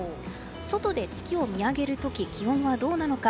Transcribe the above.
外で月を見上げる時気温はどうなのか。